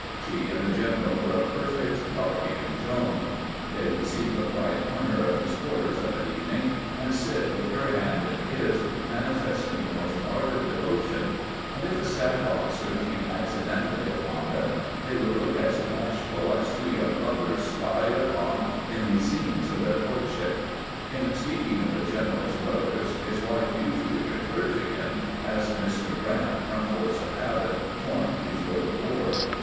She and the general were a perfect Darby and Joan. They would seek a quiet corner of his quarters of an evening, and sit with her hand in his, manifesting the most ardent devo tion ; and if a staff officer came accidentally upon them, they would look as bashful as two young lovers spied upon in the scenes of their courtship. In speaking of the general to others, his wife usually referred to him as " Mr. Grrant," from force of habit formed before the war.